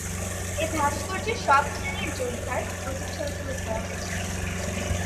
এ ভাস্কর্যে সব শ্রেণীর যোদ্ধার প্রতিচ্ছবি তুলে ধরা হয়েছে।